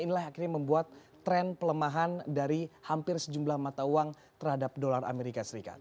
inilah akhirnya membuat tren pelemahan dari hampir sejumlah mata uang terhadap dolar amerika serikat